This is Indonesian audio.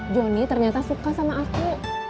johnny ternyata suka sama aku